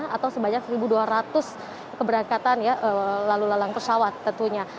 atau sebanyak satu dua ratus keberangkatan ya lalu lalang pesawat tentunya